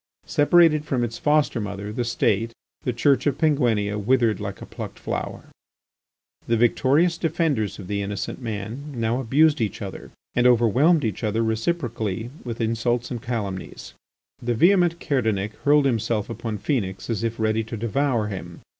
Separated from its foster mother, the State, the Church of Penguinia withered like a plucked flower. The victorious defenders of the innocent man now abused each other and overwhelmed each other reciprocally with insults and calumnies. The vehement Kerdanic hurled himself upon Phœnix as if ready to devour him.